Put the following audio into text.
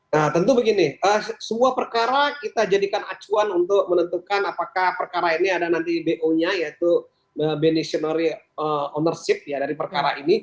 nah tentu begini semua perkara kita jadikan acuan untuk menentukan apakah perkara ini ada nanti bo nya yaitu benationary ownership ya dari perkara ini